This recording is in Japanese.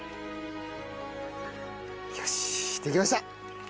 よしできました。